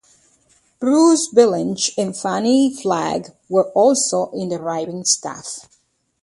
Bruce Vilanch and Fannie Flagg were also on the writing staff.